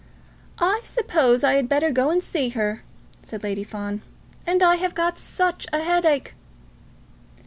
"I suppose I had better go and see her," said Lady Fawn, "and I have got such a headache."